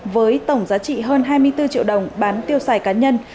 với tổng giá trị hơn hai mươi bốn triệu đồng bán tiêu xài cá nhân